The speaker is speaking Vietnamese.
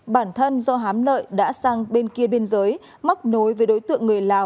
bản thân do hám lợi đã sang bên kia biên giới mắc nối với đối tượng người lào